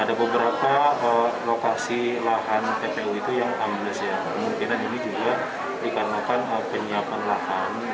ada beberapa lokasi lahan tpu itu yang ambles ya kemungkinan ini juga dikarenakan penyiapan lahan